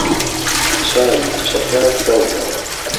چاوی کچەکە سەوزە.